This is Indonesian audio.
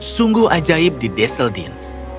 sungguh ajaib di deseldin